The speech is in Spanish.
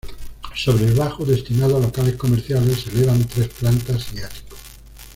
Sobre el bajo, destinado a locales comerciales, se elevan tres plantas y ático.